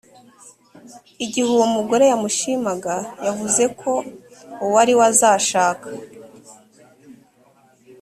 igihe uwo mugore yamushimaga yavuze ko uwo ariwe azashaka